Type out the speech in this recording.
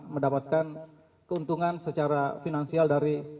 mendapatkan keuntungan secara finansial dari